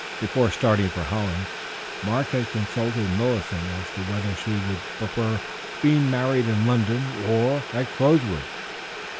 Before starting for Holland Mark had consulted Millicent as to whether she would prefer being married in London or at Crowswood.